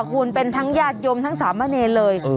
ควรเป็นทั้งญาติยมทั้งสามเมอร์เนนเลย